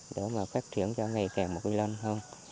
để phát triển cho ngày càng vui lên hơn